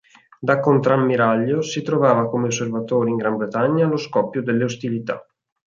Da contrammiraglio, si trovava come osservatore in Gran Bretagna allo scoppio delle ostilità.